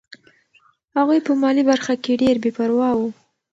هغوی په مالي برخه کې ډېر بې پروا وو.